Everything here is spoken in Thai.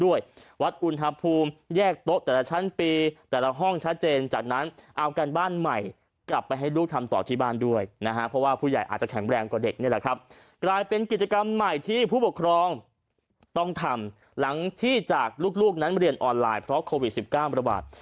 วัดอุณหภูมิแยกโต๊ะแต่ละชั้นปีแต่ละห้องชัดเจนจากนั้นเอาการบ้านใหม่กลับไปให้ลูกทำต่อที่บ้านด้วยนะฮะเพราะว่าผู้ใหญ่อาจจะแข็งแรงกว่าเด็กนี่แหละครับกลายเป็นกิจกรรมใหม่ที่ผู้ปกครองต้องทำหลังจากที่จากลูกลูกนั้นเรียนออนไลน์เพราะโควิด๑๙ระบาด